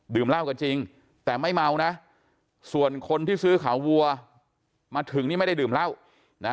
เหล้ากันจริงแต่ไม่เมานะส่วนคนที่ซื้อขาวัวมาถึงนี่ไม่ได้ดื่มเหล้านะ